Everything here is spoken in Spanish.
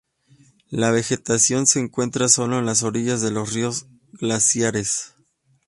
La vegetación se encuentra sólo en las orillas de los ríos glaciares.